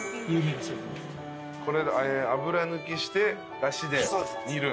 これ油抜きしてだしで煮る。